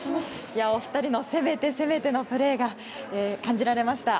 お二人の攻めて攻めてのプレーが感じられました。